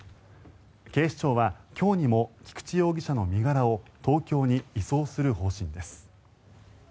警視庁は今日にも菊池容疑者の身柄を東京に移送する方針です。